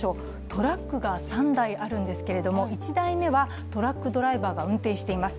トラックが３台あるんですけど、１台目はトラックドライバーが運転しています。